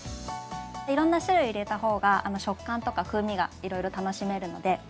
いろんな種類入れた方が食感とか風味がいろいろ楽しめるので。